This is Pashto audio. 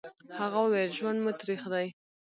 هغه وويل: ژوند مو تريخ دی.